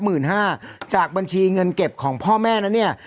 หมื่นห้าจากบัญชีเงินเก็บของพ่อแม่นั้นเนี่ย